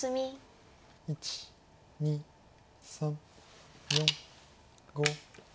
１２３４５。